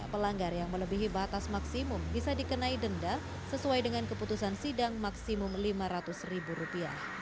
pelanggar yang melebihi batas maksimum bisa dikenai denda sesuai dengan keputusan sidang maksimum rp lima ratus